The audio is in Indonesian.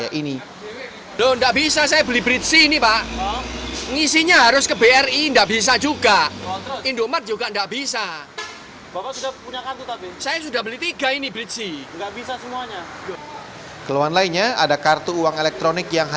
anda harus memiliki banyak sekali kartu ya